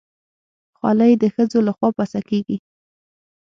خولۍ د ښځو لخوا پسه کېږي.